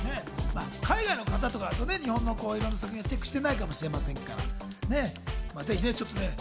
海外の方とかだとね、日本の作品とかチェックしてないかもしれませんから。